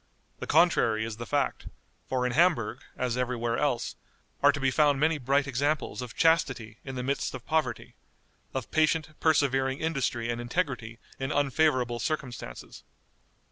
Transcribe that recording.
The contrary is the fact; for in Hamburg, as every where else, are to be found many bright examples of chastity in the midst of poverty; of patient, persevering industry and integrity in unfavorable circumstances.